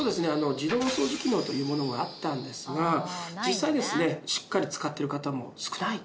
自動お掃除機能というものがあったんですが実際しっかり使ってる方も少ないと。